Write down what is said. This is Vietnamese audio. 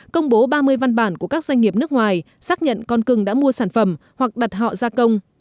công bố ba mươi văn bản của các doanh nghiệp nước ngoài xác nhận con cưng đã mua sản phẩm hoặc đặt họ gia công